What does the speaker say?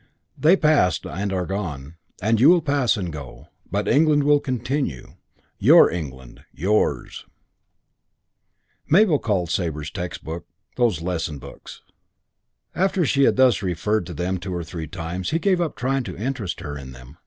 They passed and are gone; and you will pass and go. But England will continue. Your England. Yours." CHAPTER VII I Mabel called Sabre's school textbooks "those lesson books." After she had thus referred to them two or three times he gave up trying to interest her in them.